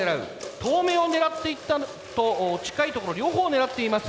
遠目を狙っていったのと近い所両方を狙っています